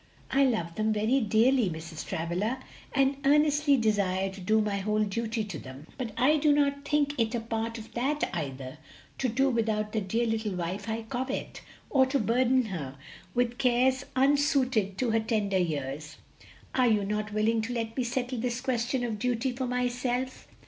I love them very dearly, Mrs. Travilla, and earnestly desire to do my whole duty to them, but I do not think it a part of that either to do without the dear little wife I covet, or to burden her with cares unsuited to her tender years. Are you not willing to let me settle this question of duty for myself?"